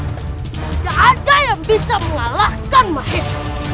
tidak ada yang bisa mengalahkan mahes